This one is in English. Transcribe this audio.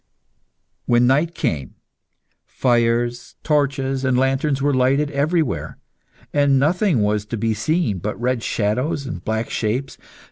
When night came, fires, torches, and lanterns were lighted everywhere, and nothing was to be seen but red shadows and black shapes.